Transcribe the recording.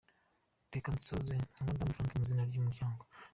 Reka nsoze nka Mudandi Frank mu izina ry’Umuryango.